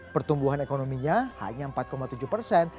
pertumbuhan ekonominya hanya empat tujuh persen